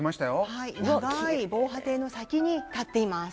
はい長い防波堤の先に立っています。